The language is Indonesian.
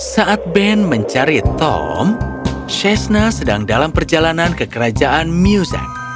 saat ben mencari tom shessna sedang dalam perjalanan ke kerajaan musec